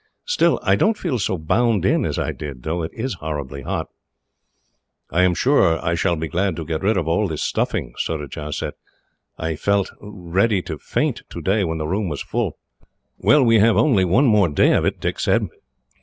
Still, I don't feel so bound in as I did, though it is horribly hot." "I am sure I shall be glad to get rid of all this stuffing," Surajah said. "I felt ready to faint today, when the room was full." "Well, we have only one more day of it," Dick said.